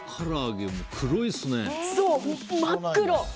真っ黒！